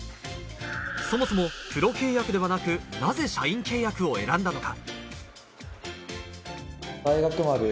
そもそもプロ契約ではなく、なぜ社員契約を選んだのか？